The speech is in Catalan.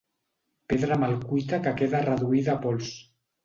Pedra mal cuita que queda reduïda a pols.